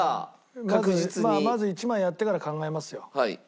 まあまず１枚やってから考えますよ。